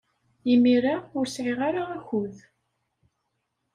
Imir-a, ur sɛiɣ ara akud.